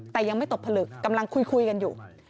แต่ยังไม่ตกผลึกกำลังคุยกันอยู่